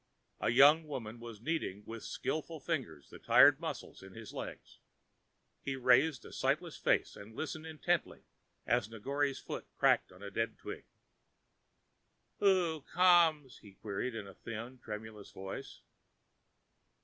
A young woman was kneading with skilful fingers the tired muscles of his legs. He raised a sightless face and listened intently as Negore's foot crackled a dead twig. "Who comes?" he queried in a thin, tremulous voice.